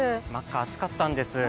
暑かったんです。